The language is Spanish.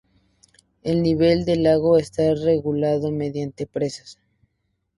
El nivel del lago está regulado mediante presas.